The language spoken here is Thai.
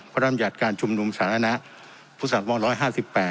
พระรามยัตริการจุ่มดูมสาธารณะพฤษฎวงศ์๑๕๘